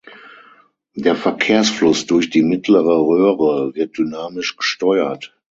Der Verkehrsfluss durch die mittlere Röhre wird dynamisch gesteuert.